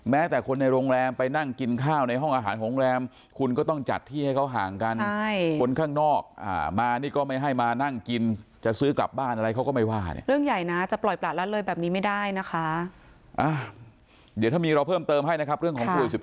แม้แต่คนในโรงแรมไปนั่งกินข้าวในห้องอาหารโรงแรมคุณก็ต้องจัดที่ให้เขาห่างกัน